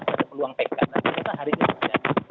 itu peluang pk nah itu hari ini